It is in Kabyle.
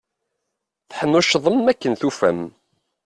Teḥnuccḍem akken tufam.